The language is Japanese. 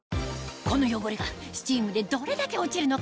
この汚れがスチームでどれだけ落ちるのか？